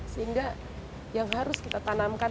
sehingga yang harus kita tanamkan